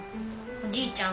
おじいちゃん